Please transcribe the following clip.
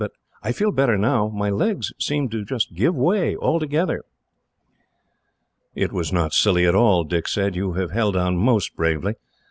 But I feel better now. My legs seemed to give way, altogether." "It was not silly at all," Dick said. "You have held on most bravely.